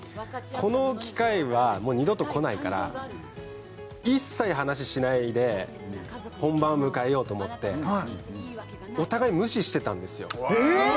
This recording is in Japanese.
この機会はもう二度と来ないから一切話しないで本番を迎えようと思ってお互い無視してたんですよえっ！？